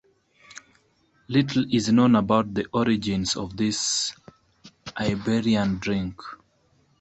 Little is known about the origins of this Iberian drink.